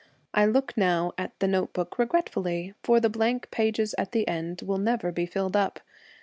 I look now at the note book regretfully, for the blank pages at the end will never be filled up.